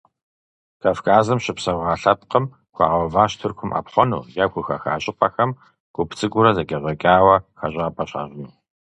Кавказым щыпсэуа лъэпкъым хуагъэуващ Тыркум Ӏэпхъуэну, е хухаха щӀыпӀэхэм гуп цӀыкӀуурэ зэкӀэщӀэкӀауэ хэщӀапӀэ щащӀыну.